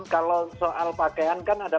kalau soal pakaian kan ada